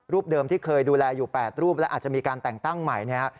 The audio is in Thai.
เดิมที่เคยดูแลอยู่๘รูปและอาจจะมีการแต่งตั้งใหม่เนี่ย